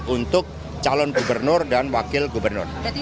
untuk calon gubernur dan wakil gubernur